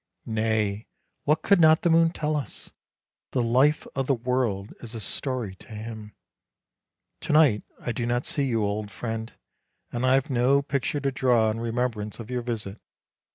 Nay, what could not the moon tell us? The life of the world is a story to him. To night I do not see you, old friend; and I have no picture to draw in remembrance of your visit.